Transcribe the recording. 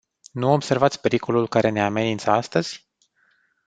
Nu observați pericolul care ne amenință astăzi?